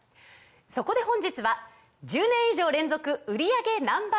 そこで本日は１０年以上連続売り上げＮｏ．１